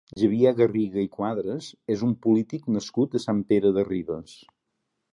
Xavier Garriga i Cuadras és un polític nascut a Sant Pere de Ribes.